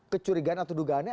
kecurigaan atau dugaannya